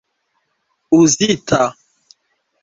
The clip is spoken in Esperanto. uzita